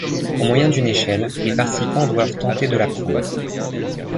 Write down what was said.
Au moyen d'une échelle, les participants doivent tenter de la prendre.